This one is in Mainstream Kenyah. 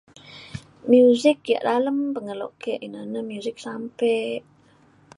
muzik ke lalem pengelo ke ina na muzik sampe